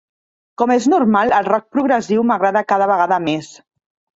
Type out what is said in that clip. Com és normal, el rock progressiu m'agrada cada vegada més.